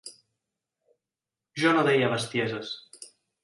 Jo no deia bestieses.